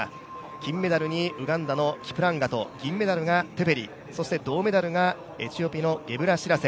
金メダルにウガンダのキプランガト銀メダルがテフェリ銅メダルがエチオピアのゲブレシラセ。